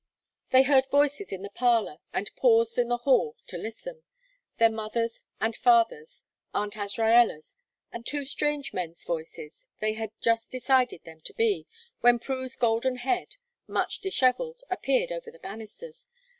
They heard voices in the parlor and paused in the hall to listen. Their mother's and father's, Aunt Azraella's, and two strange men's voices they had just decided them to be, when Prue's golden head, much dishevelled, appeared over the banisters.